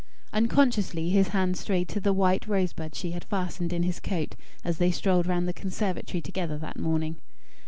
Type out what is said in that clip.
Unconsciously his hand strayed to the white rosebud she had fastened in his coat as they strolled round the conservatory together that morning.